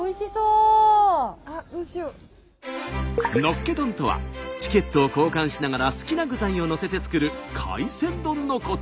のっけ丼とはチケットを交換しながら好きな具材をのせて作る海鮮丼のこと。